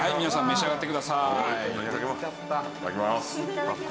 皆さん召し上がってください。